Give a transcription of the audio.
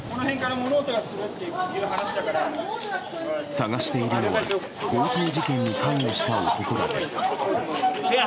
捜しているのは強盗事件に関与した男らです。